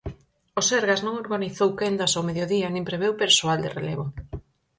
O Sergas non organizou quendas ao mediodía nin preveu persoal de relevo.